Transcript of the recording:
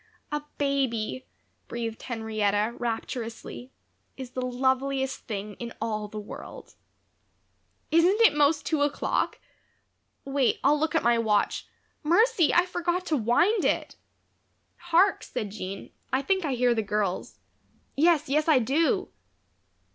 "A baby," breathed Henrietta, rapturously, "is the loveliest thing in all the world. Isn't it most two o'clock? Wait, I'll look at my watch Mercy! I forgot to wind it!" "Hark!" said Jean, "I think I hear the girls. Yes, I do."